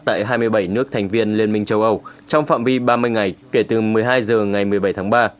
tại hai mươi bảy nước thành viên liên minh châu âu trong phạm vi ba mươi ngày kể từ một mươi hai h ngày một mươi bảy tháng ba